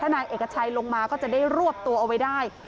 นายเอกชัยลงมาก็จะได้รวบตัวเอาไว้ได้